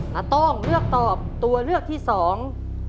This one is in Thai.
โต้งเลือกตอบตัวเลือกที่สอง